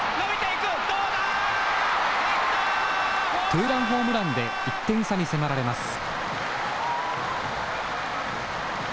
ツーランホームランで１点差に迫られます。